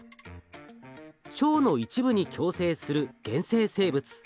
腸の一部に共生する原生生物。